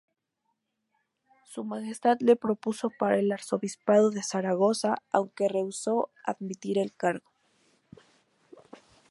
Su majestad le propuso para el arzobispado de Zaragoza, aunque rehusó admitir el cargo.